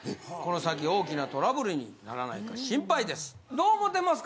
どう思ってますか。